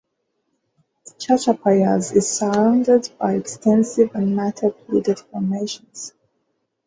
Chachapoyas is surrounded by extensive and matted wooded formations.